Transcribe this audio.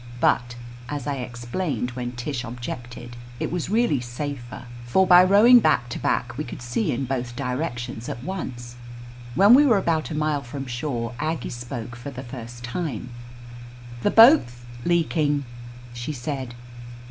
But, as I explained when Tish objected, it was really safer, for by row ing back to back we could see in both direc tions at once. When we were about a mile from shore, Ag gie spoke for the first time. "The boat 'th leaking !" she said.